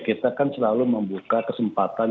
kita kan selalu membuka kesempatan